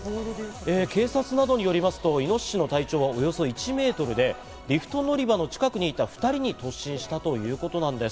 警察などによりますと、イノシシの体長はおよそ１メートルで、リフト乗り場の近くにいた２人に突進したということなんです。